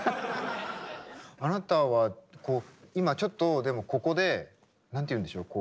あなたは今ちょっとでもここで何て言うんでしょう